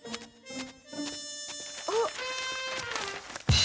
あっ。